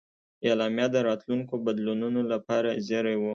اعلامیه د راتلونکو بدلونونو لپاره زېری و.